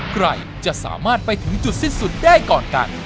ใครจะสามารถไปถึงจุดสิ้นสุดได้ก่อนกัน